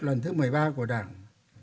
lần thứ một mươi ba của đảng